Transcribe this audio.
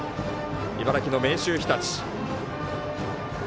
茨城の明秀日立。